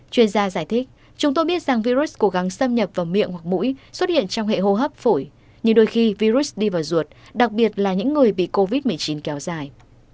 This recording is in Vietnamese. chuyên gia giải thích chúng tôi biết rằng virus cố gắng xâm nhập vào miệng hoặc mũi xuất hiện trong hệ hô hấp phổi nhưng đôi khi virus đi vào ruột đặc biệt là những người bị covid một mươi chín kéo dài